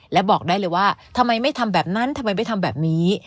และบอกได้เลยว่าทำไมไม่ทำแบบนั้นทำไมไม่ทำแบบนี้